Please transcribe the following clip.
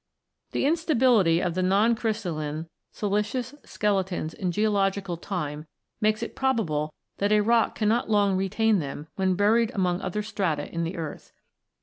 The instability of the non crystalline siliceous skeletons in geological time make's it probable that a rock cannot long retain them when buried among other strata in the earth.